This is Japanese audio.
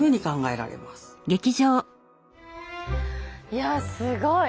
いやすごい。